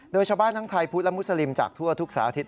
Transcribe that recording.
โดยชาวบ้านทั้งไทยพุทธและมุสลิมจากทั่วทุกสารอาทิตย